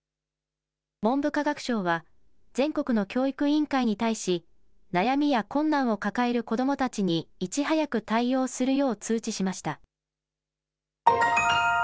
文部科学省は、全国の教育委員会に対し、悩みや困難を抱える子どもたちにいち早く対応するよう通知しました。